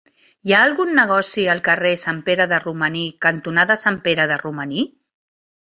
Hi ha algun negoci al carrer Sant Pere de Romaní cantonada Sant Pere de Romaní?